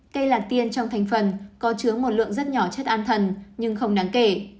cây lạc tiên trong thành phần có chứa một lượng rất nhỏ chất an thần nhưng không đáng kể